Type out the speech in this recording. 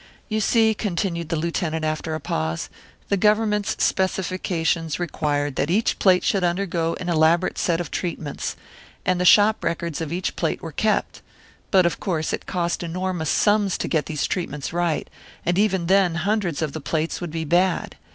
"You see," continued the Lieutenant, after a pause, "the Government's specifications required that each plate should undergo an elaborate set of treatments; and the shop records of each plate were kept. But, of course, it cost enormous sums to get these treatments right, and even then hundreds of the plates would be bad.